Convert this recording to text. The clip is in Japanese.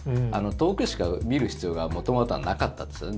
遠くしか見る必要が元々はなかったですよね